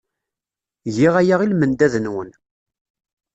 Giɣ aya i lmendad-nwen.